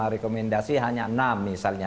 empat puluh lima rekomendasi hanya enam misalnya